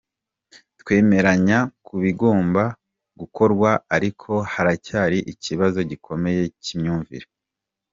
Twemeranya ku bigomba gukorwa ariko haracyari ikibazo gikomeye cy’imyumvire.”